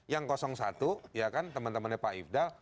yang satu ya kan teman temannya pak ifdal